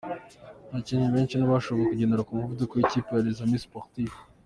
Abakinnyi benshi ntibashoboye kugendera ku muvuduko w’ikipe ya Les Amis Sportifs.